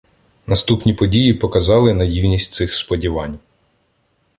Наступні події показали наївність цих сподівань.